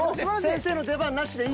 先生の出番なしでいいですか。